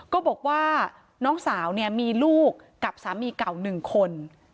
ก็บอกว่าน้องสาวเนี่ยมีลูกกับสามีเก่า๑คน